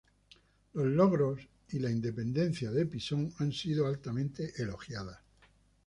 Los logros y la independencia de Pisón han sido altamente elogiadas.